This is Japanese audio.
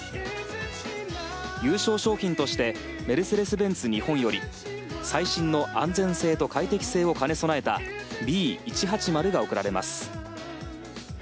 優勝賞品としてメルセデス・ベンツ日本より最新の安全性と快適性を兼ね備えたＢ１８０が贈られます。